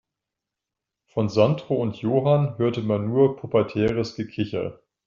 Von Sandro und Johann hörte man nur pubertäres Gekicher.